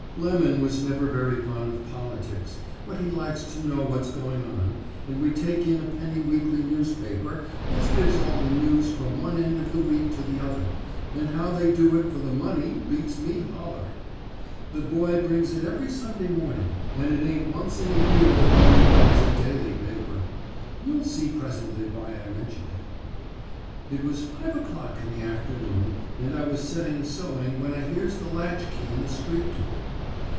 "Lemon was never very fond of politics, but he likes to know what's going on, and we take in a penny weekly newspaper as gives all the news from one end of the week to the other, and how they do it for the money beats me holler. The boy brings it every Sunday morning, and it ain't once in a year that Lemon buys a daily paper. You'll see presently why I mention it. "It was five o'clock in the afternoon, and I was setting sewing when I hears the latchkey in the street door.